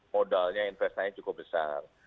modalnya investasinya cukup besar